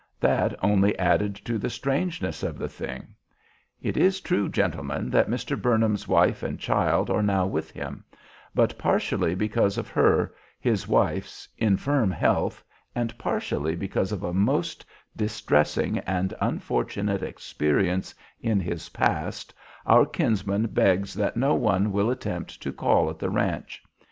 That only added to the strangeness of the thing. "'It is true, gentlemen, that Mr. Burnham's wife and child are now with him; but, partially because of her, his wife's, infirm health, and partially because of a most distressing and unfortunate experience in his past, our kinsman begs that no one will attempt to call at the ranch.